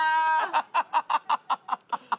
ハハハハハハッ！